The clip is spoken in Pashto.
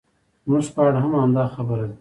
زموږ په اړه هم همدا خبره ده.